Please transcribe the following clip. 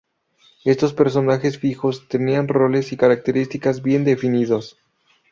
Estos personajes fijos tenían roles y caracteres bien definidos.